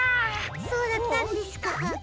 そうだったんですか。